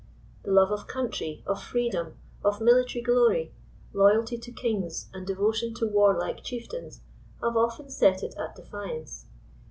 The love of country, of freedom, of military glory ; loyalty to kings and devotion^ to warlike chieftains, have often set it at defiance.